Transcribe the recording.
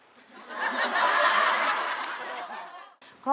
ฮาวะละพร้อม